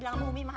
makasih banyak ya